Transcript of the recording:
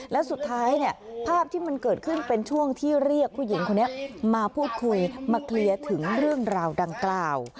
และสุดท้ายเนี่ยภาพที่มันเกิดขึ้นเป็นช่วงที่เรียกผู้หญิงคนนี้มาพูดคุยมาเคลียร์ถึงเรื่องราวดังกล่าว